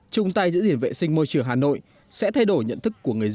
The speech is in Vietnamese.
chung tay giữ gìn vệ sinh môi trường hà nội sẽ thay đổi nhận thức của họ